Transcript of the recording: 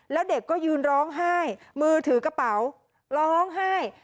แล้วเด็กก็ยืนร้องไห้มือถือกระเป๋าร้องไห้